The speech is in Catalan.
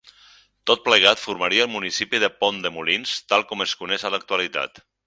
Tot plegat formaria el municipi de Pont de Molins tal com es coneix en l'actualitat.